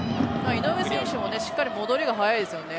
井上選手もしっかり戻りが速いですよね。